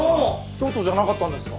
京都じゃなかったんですか？